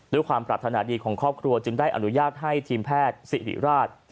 ด้วยความปรารถนาดีของครอบครัวจึงได้อนุญาตให้ทีมแพทย์สิริราช